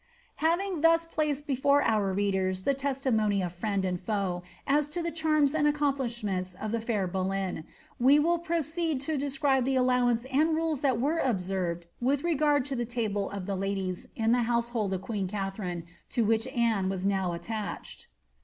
Having thus placed before our readers the testimony of friend and foe, as to the charms and accomplishments of the fair Boleyn, we will pro ceed to describe the allowance and rules that were observed with regard to the table oi the ladies in the household of queen Katharine, to which Anne was now attached.